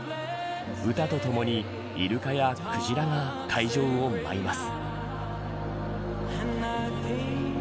歌とともに、イルカやクジラが会場を舞います。